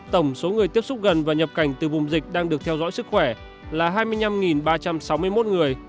tổng số người tiếp xúc gần và nhập cảnh từ vùng dịch đang được theo dõi sức khỏe là hai mươi năm ba trăm sáu mươi một người